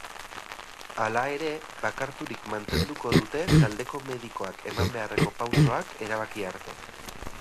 Hala ere, bakarturik mantenduko dute taldeko medikoak eman beharreko pausoak erabaki arte.